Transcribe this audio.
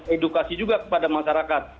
edukasi juga kepada masyarakat